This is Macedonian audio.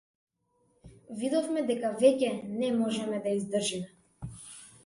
Видовме дека веќе не можеме да издржиме.